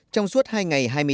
trong suốt hai ngày hai mươi tám